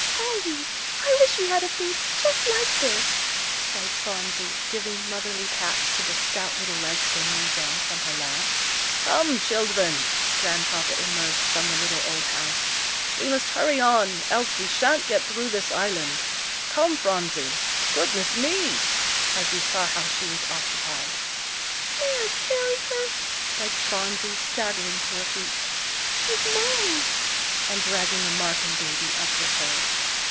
"Polly, I wish we had a baby just like this," sighed Phronsie, giving motherly pats to the stout little legs dangling down from her lap. "Come, children," Grandpapa emerged from the little old house, "we must hurry on, else we sha'n't get through this island. Come, Phronsie goodness me!" as he saw how she was occupied. "May I carry her?" begged Phronsie, staggering to her feet "she's mine" and dragging the Marken baby up with her.